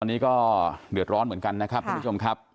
ตอนนี้ก็เดือดร้อนเหมือนกันนะครับท่านผู้ชมครับ